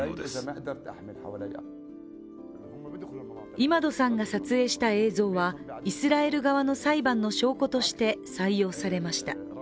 イマドさんが撮影した映像はイスラエル側の裁判の証拠として採用されました。